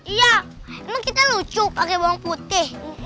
iya emang kita lucu pakai bawang putih